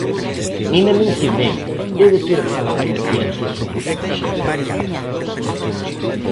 Nin a mencionei, debe ter mala conciencia sobre o que fixeron.